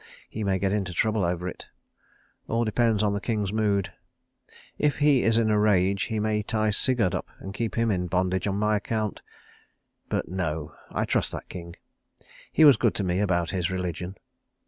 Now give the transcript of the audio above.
He may get into trouble over it. All depends on the king's mood. If he is in a rage he may tie Sigurd up and keep him in bondage on my account. But no! I trust that king. He was good to me about his religion."